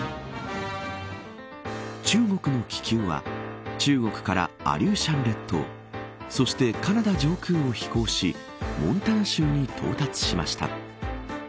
中国の気球は中国から、アリューシャン列島そしてカナダ上空を飛行しモンタナ州に到達しました。